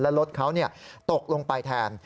แล้วรถเขาตกลงไปแทน